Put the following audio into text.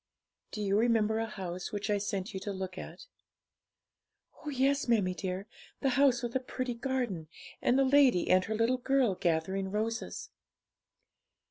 'Do you remember a house which I sent you to look at?' 'Oh yes, mammie dear the house with a pretty garden, and a lady and her little girl gathering roses.'